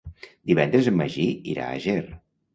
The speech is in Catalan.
Divendres en Magí irà a Ger.